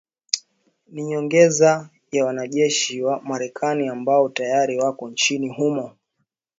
ni nyongeza ya wanajeshi wa Marekani ambao tayari wako nchini humo